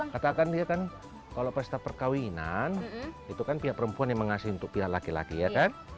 katakan dia kan kalau pesta perkawinan itu kan pihak perempuan yang mengasih untuk pihak laki laki ya kan